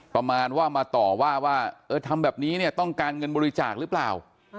ประมาณว่ามาต่อว่าทำแบบนี้ต้องการเงินบริจาคหรือเปล่า